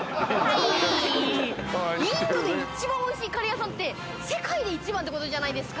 インドで一番おいしいカレー屋さんって世界で一番ってことじゃないですか。